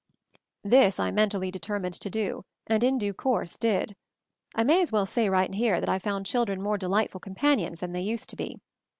This I mentally determined to do, and in due course did. I may as well say right MOVING THE MOUNTAIN 203 here that I found children more delightful companions than they used to be.